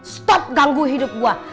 stop ganggu hidup gue